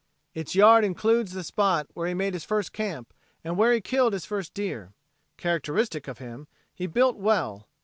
Its yard includes the spot where he made his first camp and where he killed his first deer. Characteristic of him, he built well.